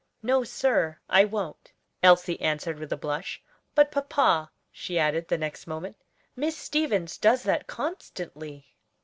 "No, sir, I won't," Elsie answered with a blush. "But, papa," she added the next moment, "Miss Stevens does that constantly."